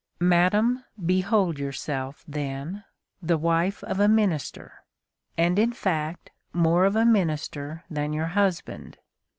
Madame, behold yourself, then, the wife of a minister, and in fact more of a minister than your husband.